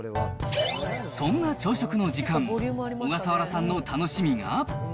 そんな朝食の時間、小笠原さんの楽しみが。